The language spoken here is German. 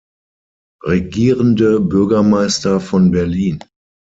Regierende Bürgermeister von Berlin.